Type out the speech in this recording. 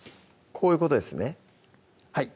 こういうことですねはい